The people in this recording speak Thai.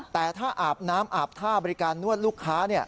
แต่ถ้าอาบน้ำอาบท่าบริการนวดลูกค้า